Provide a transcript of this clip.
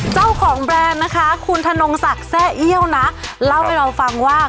แบรนด์นะคะคุณธนงศักดิ์แซ่เอี้ยวนะเล่าให้เราฟังว่า